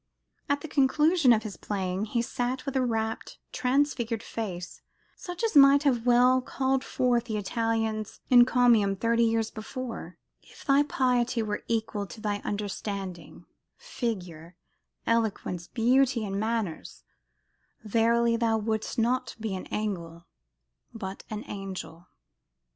At the conclusion of his playing he sat with a rapt, transfigured face, such as might well have called forth the Italian's encomium, thirty years before, "If thy piety were equal to thy understanding, figure, eloquence, beauty and manners, verily thou wouldest not be an Angle but an Angel!"